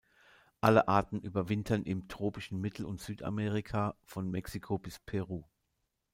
Alle Arten überwintern im tropischen Mittel- und Südamerika von Mexiko bis Peru.